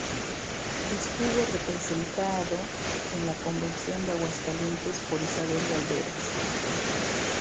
Estuvo representado en la Convención de Aguascalientes por Isabel Balderas.